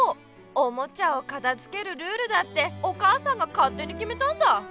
おもちゃをかたづけるルールだってお母さんがかってにきめたんだ。